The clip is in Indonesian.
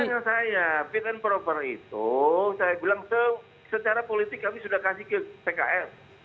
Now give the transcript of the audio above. pertanyaan saya fit and proper itu saya bilang secara politik kami sudah kasih ke pks